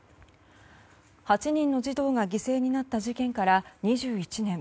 ８人の児童が犠牲になった事件から２１年。